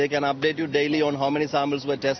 silakan berbicara dengan kementerian kesehatan